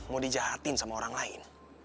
mau dijahatin sama orang lain